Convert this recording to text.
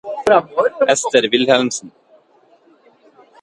Ester Wilhelmsen